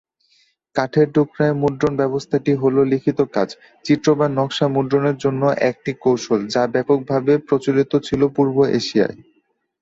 কাঠের টুকরায় মুদ্রণ ব্যবস্থাটি হল লিখিত কাজ, চিত্র বা নকশা মুদ্রণের জন্য একটি কৌশল, যা ব্যাপকভাবে প্রচলিত ছিল পূর্ব এশিয়ায়।